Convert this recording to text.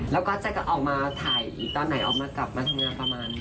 แล้วก็จะออกมาถ่ายตอนไหนเอามากลับมาทำงานครับ